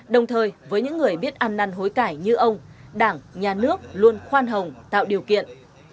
đồng thời với những người biết ăn năn hối cải như ông đảng nhà nước luôn khoan hồng tạo điều kiện